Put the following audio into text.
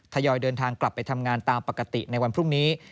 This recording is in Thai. ยอยเดินทางกลับไปทำงานตามปกติในวันพรุ่งนี้